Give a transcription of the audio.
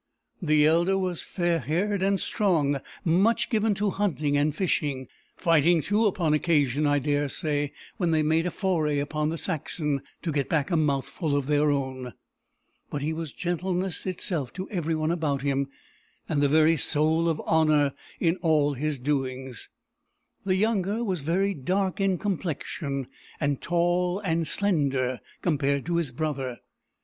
The elder was fair haired and strong, much given to hunting and fishing; fighting too, upon occasion, I dare say, when they made a foray upon the Saxon, to get back a mouthful of their own. But he was gentleness itself to every one about him, and the very soul of honour in all his doings. The younger was very dark in complexion, and tall and slender compared to his brother.